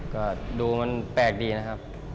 ก็ดูมันแปลกดีนะครับ